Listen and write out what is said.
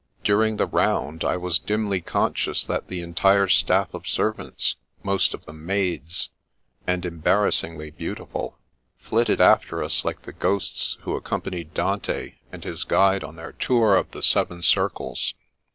During the round, I was dimly conscious that the entire staff of servants, most of them maids, and em barrassingly beautiful, flitted after us like the ghosts who accompanied Dante and his guide on their tour 1 54 The Princess Passes of the Seven Circles.